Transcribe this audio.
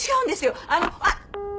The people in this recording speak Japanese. ☎あっ。